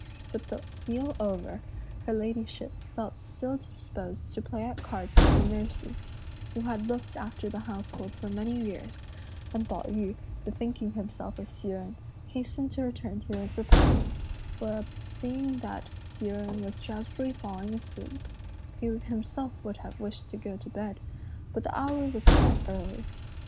But the meal over, her ladyship felt still disposed to play at cards with the nurses, who had looked after the household for many years; and Pao yü, bethinking himself of Hsi Jen, hastened to return to his apartments; where seeing that Hsi Jen was drowsily falling asleep, he himself would have wished to go to bed, but the hour was yet early.